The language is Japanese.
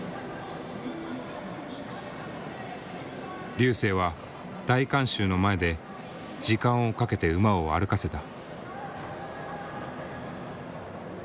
瑠星は大観衆の前で時間をかけて馬を歩かせた。